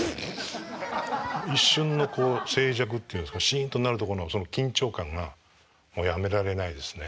一瞬のこう静寂っていうんですかシンとなるとこの緊張感がもうやめられないですね。